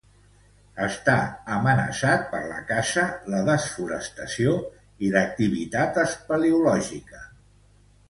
Està amenaçat per la caça, la desforestació i l'activitat espeleològica.